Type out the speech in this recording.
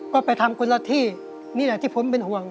ก็ไปทำคนละที่นี่แหละที่ผมเป็นห่วง